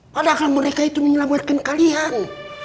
padahal mereka itu menyelamatkan kalian